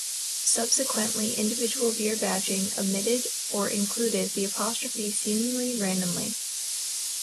Subsequently individual beer badging omitted or included the apostrophe seemingly randomly.